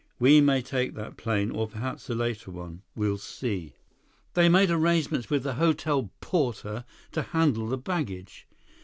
We may take that plane, or perhaps a later one. We'll see." They made arrangements with the hotel porter to handle the baggage.